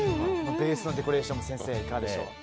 ベースのデコレーションも先生、いかがでしょう。